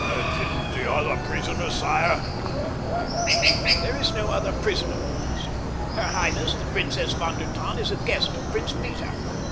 "And the other prisoner, sire?" he inquired. "There is no other prisoner," he said. "Her highness, the Princess von der Tann, is a guest of Prince Peter.